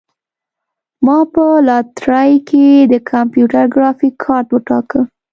ما په لاټرۍ کې د کمپیوټر ګرافیک کارت وګاټه.